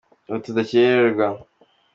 Ihute udakererwa.